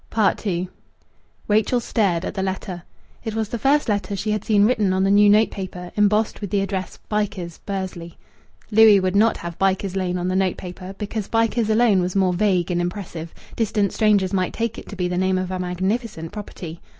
II Rachel stared at the letter. It was the first letter she had seen written on the new note paper, embossed with the address, "Bycars, Bursley." Louis would not have "Bycars Lane" on the note paper, because "Bycars" alone was more vague and impressive; distant strangers might take it to be the name of a magnificent property.